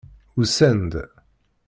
Usan-d.